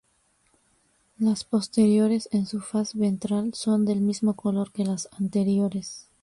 Las posteriores en su faz ventral son del mismo color que las anteriores.